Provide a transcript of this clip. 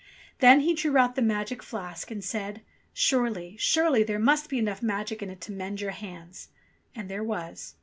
Then he drew out the magic flask and said, "Surely, surely there must be enough magic in it to mend your hands." And there was.